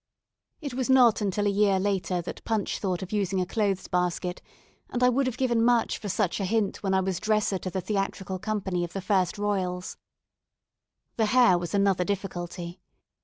It was not until a year later that Punch thought of using a clothes basket; and I would have given much for such a hint when I was dresser to the theatrical company of the 1st Royals. The hair was another difficulty.